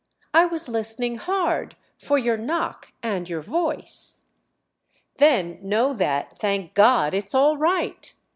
"I was listening hard—for your knock and your voice." "Then know that, thank God, it's all right!"